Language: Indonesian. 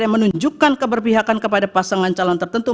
yang menunjukkan keberpihakan kepada pasangan calon tertentu